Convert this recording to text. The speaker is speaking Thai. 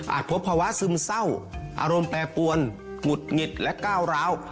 พบภาวะซึมเศร้าอารมณ์แปรปวนหงุดหงิดและก้าวร้าว